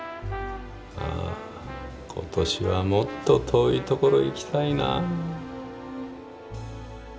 あ今年はもっと遠いところ行きたいな。